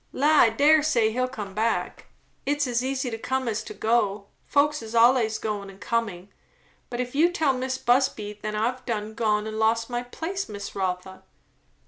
La, I dare say he'll come back. It's as easy to come as to go. Folks is allays goin' and comin'. But if you tell Mis' Busby, then I've done gone and lost my place, Miss Rotha."